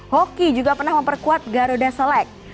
hoki juga pernah memperkuat garuda selek